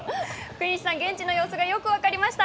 福西さん、現地の様子がよく分かりました。